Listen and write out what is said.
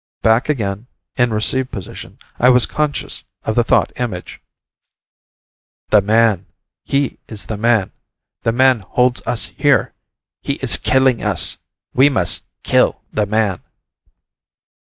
Back again, in "receive" position, I was conscious of the thought image, "The man ... he is the man. The man holds us here. He is killing us. We must kill the man."